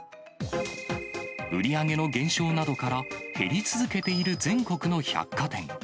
売り上げの減少などから、減り続けている全国の百貨店。